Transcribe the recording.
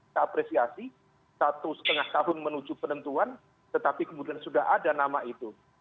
kita apresiasi satu setengah tahun menuju penentuan tetapi kemudian sudah ada nama itu